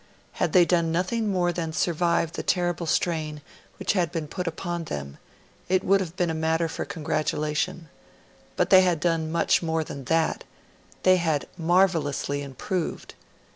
Had they done nothing more than survive the terrible strain which had been put upon them, it would have been a matter for congratulation; but they had done much more than that they had marvellously improved.